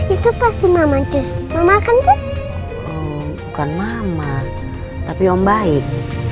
itu pasti mama cus makan tuh bukan mama tapi om baik